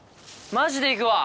マジで行くわ。